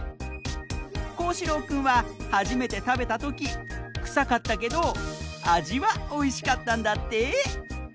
こうしろうくんははじめてたべたときくさかったけどあじはおいしかったんだって。